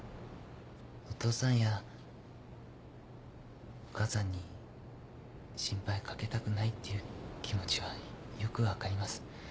お父さんやお母さんに心配かけたくないっていう気持ちはよく分かります。